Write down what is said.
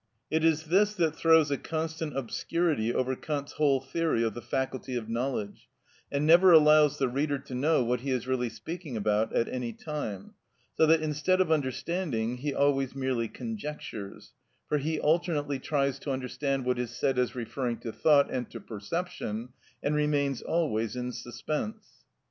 It is this that throws a constant obscurity over Kant's whole theory of the faculty of knowledge, and never allows the reader to know what he is really speaking about at any time, so that instead of understanding, he always merely conjectures, for he alternately tries to understand what is said as referring to thought and to perception, and remains always in suspense.